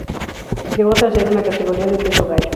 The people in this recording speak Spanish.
Llegó tercero en la categoría de peso gallo.